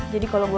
jadi kalau gue